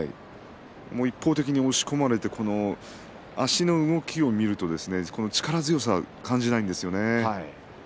一方的に押し込まれて足の動きを見ると力強さを感じないんですよね。